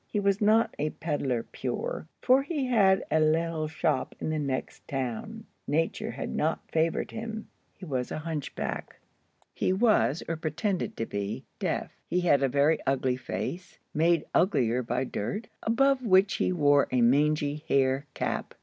He was not a pedler pure, for he had a little shop in the next town. Nature had not favored him. He was a hunchback. He was, or pretended to be, deaf. He had a very ugly face, made uglier by dirt, above which he wore a mangy hair cap.